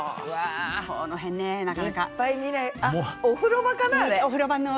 お風呂場かな？